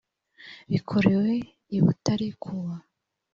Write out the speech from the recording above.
bikorewe i butare kuwa